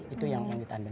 itu yang kita ambil